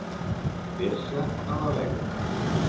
Fer-se a la vela.